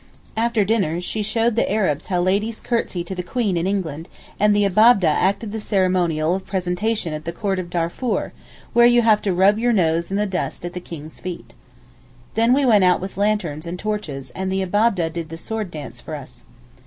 After dinner she showed the Arabs how ladies curtsey to the Queen in England, and the Abab'deh acted the ceremonial of presentation at the court of Darfour, where you have to rub your nose in the dust at the King's feet. Then we went out with lanterns and torches and the Abab'deh did the sword dance for us.